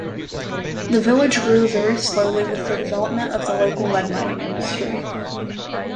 The village grew very slowly with the development of the local lead mining industry.